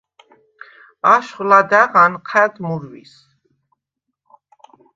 აშხვ ლადა̈ღ ანჴა̈დ მურვის.